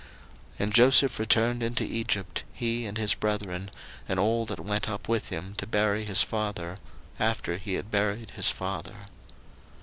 01:050:014 And Joseph returned into Egypt, he, and his brethren, and all that went up with him to bury his father, after he had buried his father.